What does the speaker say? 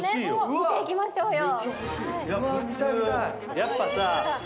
見ていきましょうよわあ